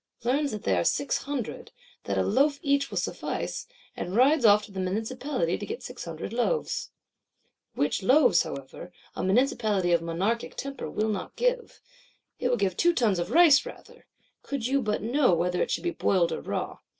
—learns that they are six hundred, that a loaf each will suffice; and rides off to the Municipality to get six hundred loaves. Which loaves, however, a Municipality of Monarchic temper will not give. It will give two tons of rice rather,—could you but know whether it should be boiled or raw.